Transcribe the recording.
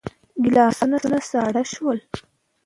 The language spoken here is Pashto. ګيلاسونه ساړه شول.